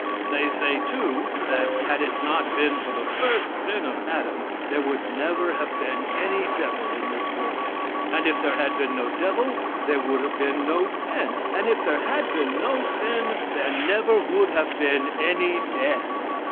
They say, too, that had it not been for the first sin of Adam there would never have been any devil in this world, and if there had been no devil there would have been no sin, and if there had been no sin there never would have been any death.